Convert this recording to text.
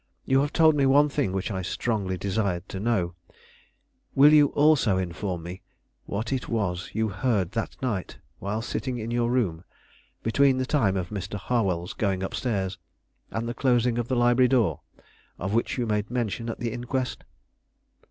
You have told me one thing which I strongly desired to know; will you also inform me what it was you heard that night while sitting in your room, between the time of Mr. Harwell's going up stairs and the closing of the library door, of which you made mention at the inquest?"